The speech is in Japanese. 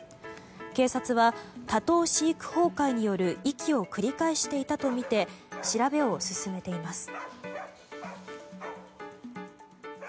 警察は多頭飼育崩壊による遺棄を繰り返していたとみて調べを進めています。